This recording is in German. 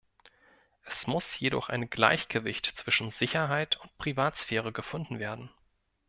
Es muss jedoch ein Gleichgewicht zwischen Sicherheit und Privatsphäre gefunden werden.